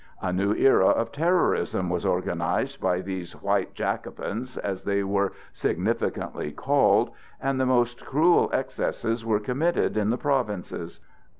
A new era of terrorism was organized by these "white Jacobins," as they were significantly called, and the most cruel excesses were committed in the provinces.